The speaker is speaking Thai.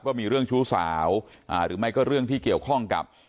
ว่ามีเรื่องชู้สาวหรือไม่ก็เรื่องที่เกี่ยวข้องกับ